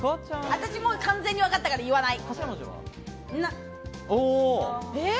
私もう完全にわかったから言わない。